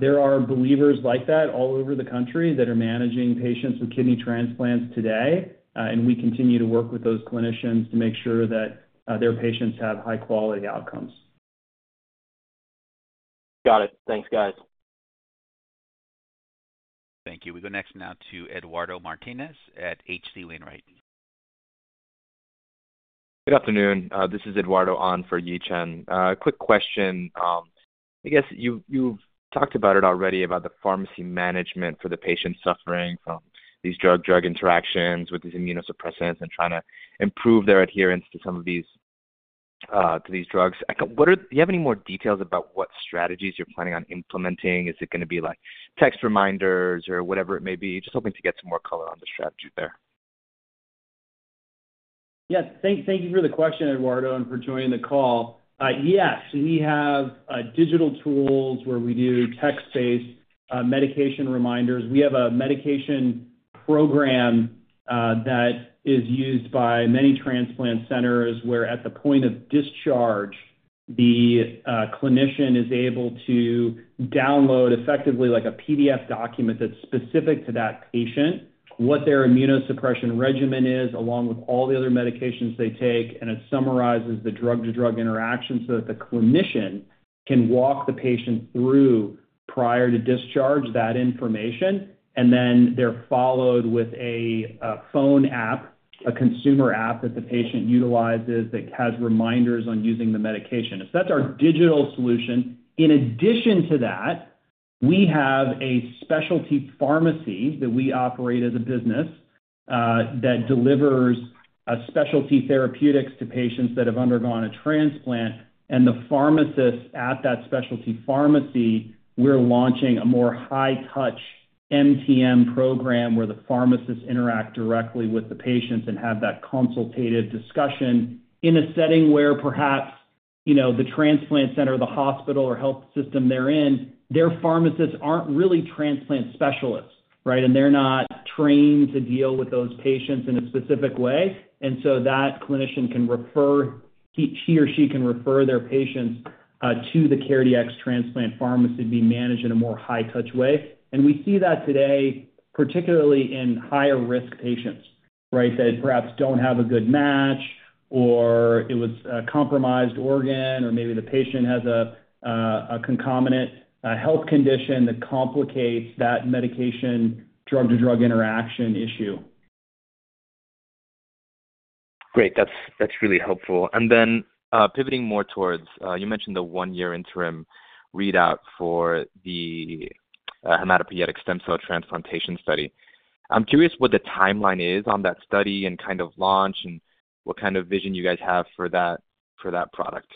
there are believers like that all over the country that are managing patients with kidney transplants today, and we continue to work with those clinicians to make sure that their patients have high-quality outcomes. Got it. Thanks, guys. Thank you. We go next now to Eduardo Martinez at H.C. Wainwright. Good afternoon. This is Eduardo on for Yi Chen. Quick question. I guess you've talked about it already about the pharmacy management for the patients suffering from these drug-drug interactions with these immunosuppressants and trying to improve their adherence to some of these drugs. Do you have any more details about what strategies you're planning on implementing? Is it going to be text reminders or whatever it may be? Just hoping to get some more color on the strategy there. Yes. Thank you for the question, Eduardo, and for joining the call. Yes, we have digital tools where we do text-based medication reminders. We have a medication program that is used by many transplant centers where, at the point of discharge, the clinician is able to download effectively a PDF document that's specific to that patient, what their immunosuppression regimen is along with all the other medications they take, and it summarizes the drug-to-drug interaction so that the clinician can walk the patient through prior to discharge that information, and then they're followed with a phone app, a consumer app that the patient utilizes that has reminders on using the medication, so that's our digital solution. In addition to that, we have a specialty pharmacy that we operate as a business that delivers specialty therapeutics to patients that have undergone a transplant. And the pharmacists at that specialty pharmacy, we're launching a more high-touch MTM program where the pharmacists interact directly with the patients and have that consultative discussion in a setting where perhaps the transplant center, the hospital, or health system they're in, their pharmacists aren't really transplant specialists, right? And they're not trained to deal with those patients in a specific way. And so that clinician can refer, he or she can refer their patients to the CareDx transplant pharmacy to be managed in a more high-touch way. And we see that today, particularly in higher-risk patients, right, that perhaps don't have a good match or it was a compromised organ, or maybe the patient has a concomitant health condition that complicates that medication drug-to-drug interaction issue. Great. That's really helpful. And then pivoting more towards, you mentioned the one-year interim readout for the hematopoietic stem cell transplantation study. I'm curious what the timeline is on that study and kind of launch and what kind of vision you guys have for that product.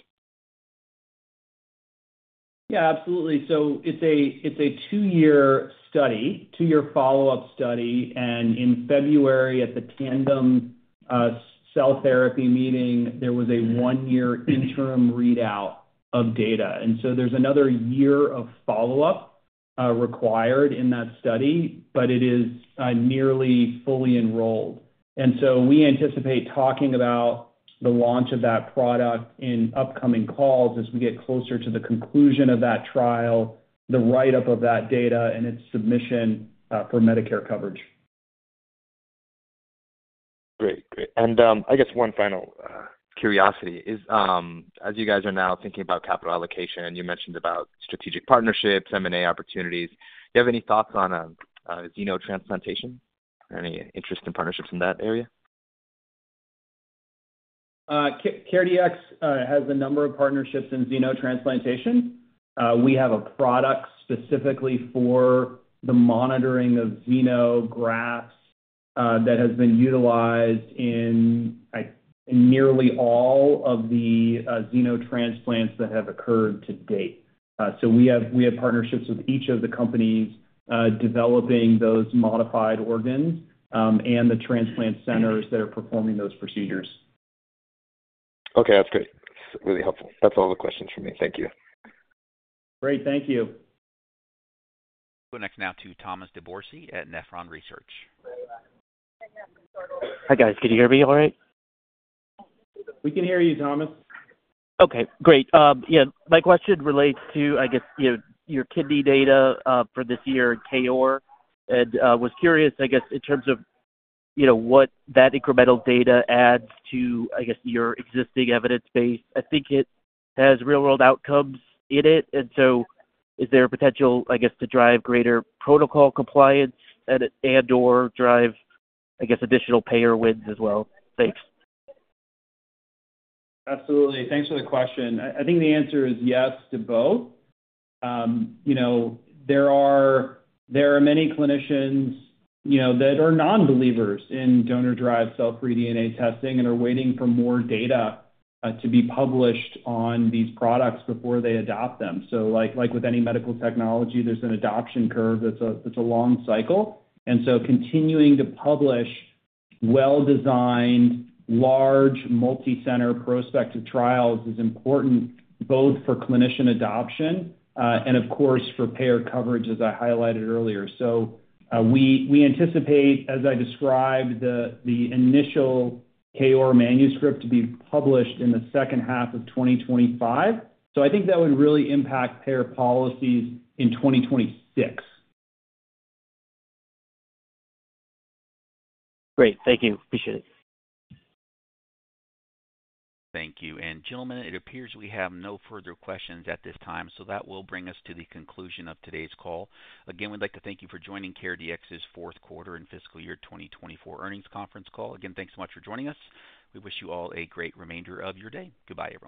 Yeah, absolutely. So it's a two-year study, two-year follow-up study. And in February, at the Tandem Cell Therapy Meeting, there was a one-year interim readout of data. And so there's another year of follow-up required in that study, but it is nearly fully enrolled. And so we anticipate talking about the launch of that product in upcoming calls as we get closer to the conclusion of that trial, the write-up of that data, and its submission for Medicare coverage. Great. Great. And I guess one final curiosity is, as you guys are now thinking about capital allocation, you mentioned about strategic partnerships, M&A opportunities. Do you have any thoughts on xenotransplantation or any interest in partnerships in that area? CareDx has a number of partnerships in xenotransplantation. We have a product specifically for the monitoring of xenografts that has been utilized in nearly all of the xenotransplants that have occurred to date. So we have partnerships with each of the companies developing those modified organs and the transplant centers that are performing those procedures. Okay. That's great. That's really helpful. That's all the questions for me. Thank you. Great. Thank you. Go next now to Thomas DeBourcy at Nephron Research. Hi, guys. Can you hear me all right? We can hear you, Thomas. Okay. Great. Yeah. My question relates to, I guess, your kidney data for this year in KOAR. And I was curious, I guess, in terms of what that incremental data adds to, I guess, your existing evidence base? I think it has real-world outcomes in it. And so is there a potential, I guess, to drive greater protocol compliance and/or drive, I guess, additional payer wins as well? Thanks. Absolutely. Thanks for the question. I think the answer is yes to both. There are many clinicians that are non-believers in donor-derived cell-free DNA testing and are waiting for more data to be published on these products before they adopt them. So like with any medical technology, there's an adoption curve that's a long cycle. And so continuing to publish well-designed, large multi-center prospective trials is important both for clinician adoption and, of course, for payer coverage, as I highlighted earlier. So we anticipate, as I described, the initial KOAR manuscript to be published in the second half of 2025. So I think that would really impact payer policies in 2026. Great. Thank you. Appreciate it. Thank you. And gentlemen, it appears we have no further questions at this time, so that will bring us to the conclusion of today's call. Again, we'd like to thank you for joining CareDx's Fourth Quarter and Fiscal Year 2024 Earnings Conference Call. Again, thanks so much for joining us. We wish you all a great remainder of your day. Goodbye, everyone.